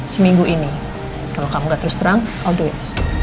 seminggu ini kalau kamu gak terus terang i'll do it